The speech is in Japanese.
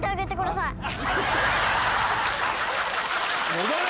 戻れ！